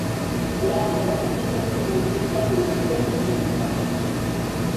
La reine est représentée par le gouverneur général.